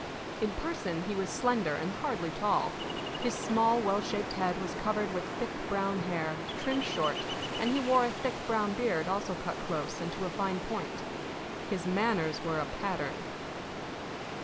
In person he was slender and hardly tall. His small, well shaped head was covered with thick, brown hair, trimmed short, and he wore a thick, brown beard also cut close and to a fine point. His manners were a pattern.